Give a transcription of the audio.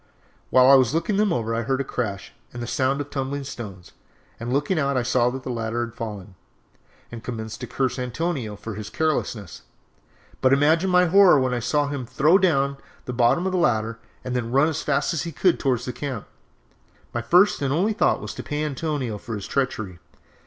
"While I was looking them over I heard a crash and the sound of tumbling stones, and looking out I saw that the ladder had fallen, and commenced to curse Antonio for his carelessness; but imagine my horror when I saw him throw down the bottom ladder and then run as fast as he could towards the camp. My first and only thought was to pay Antonio for his treachery.